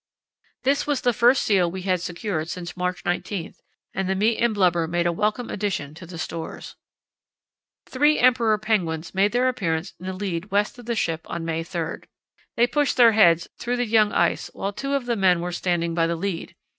This was the first seal we had secured since March 19, and the meat and blubber made a welcome addition to the stores. Three emperor penguins made their appearance in a lead west of the ship on May 3. They pushed their heads through the young ice while two of the men were standing by the lead.